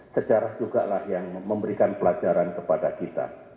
sejarah juga lah yang memberikan pelajaran kepada kita